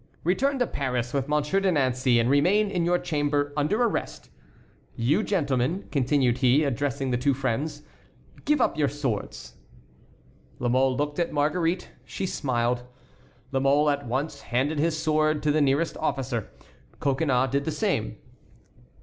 "Return to Paris with Monsieur de Nancey, and remain in your chamber under arrest. You, gentlemen," continued he, addressing the two friends, "give up your swords." La Mole looked at Marguerite. She smiled. La Mole at once handed his sword to the nearest officer. Coconnas did the same.